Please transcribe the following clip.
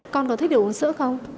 con có thích được uống sữa không